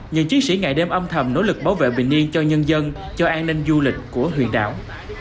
những chiến sĩ ngày đêm âm thầm nỗ lực bảo vệ bình yên cho nhân dân cho an ninh du lịch của huyện đảo